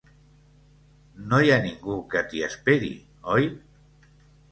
No hi ha ningú que t'hi esperi, oi?